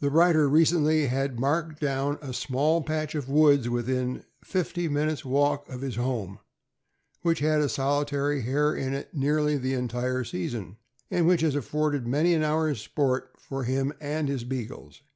The writer recently had marked down a small patch of woods, within fifty minutes walk of his home, which had a solitary hare in it nearly the entire season, and which has afforded many an hours sport for him and his Beagles.